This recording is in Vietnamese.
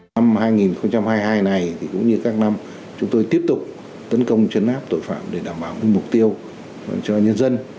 năm hai nghìn hai mươi hai này cũng như các năm chúng tôi tiếp tục tấn công chấn áp tội phạm để đảm bảo mục tiêu cho nhân dân